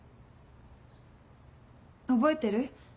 覚えてる？